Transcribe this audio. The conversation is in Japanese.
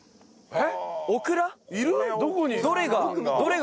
えっ？